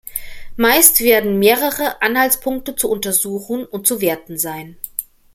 Meist werden mehrere Anhaltspunkte zu untersuchen und zu werten sein.